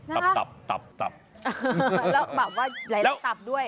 นะฮะอะไรตะบด้วย